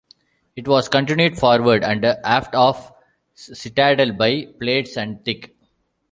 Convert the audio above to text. It was continued forward and aft of the citadel by plates and thick.